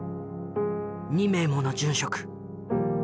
２名もの殉職。